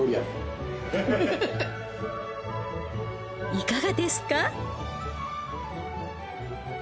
いかがですか？